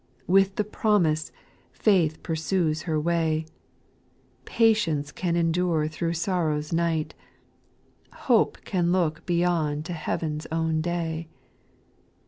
With the promise, faith pursues her way ; SPmn'UAL SOKGS, 225 Patience can endure tbrougli sorrow's night, Hope can look beyond to heaven's own day.